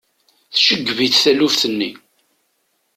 Tceggeb-it taluft-nni.